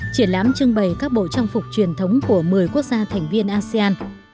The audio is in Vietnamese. triển lãm trưng bày các bộ trang phục truyền thống của một mươi quốc gia thành viên asean